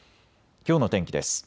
きょうの天気です。